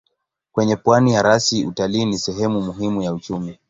Kwenye pwani ya rasi utalii ni sehemu muhimu ya uchumi.